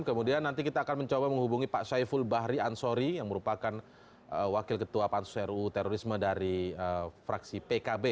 kemudian nanti kita akan mencoba menghubungi pak syaiful bahri ansori yang merupakan wakil ketua pansus ruu terorisme dari fraksi pkb